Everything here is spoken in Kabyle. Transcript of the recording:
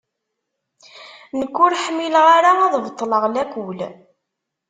Nekk ur ḥmileɣ ara ad beṭṭleɣ lakul.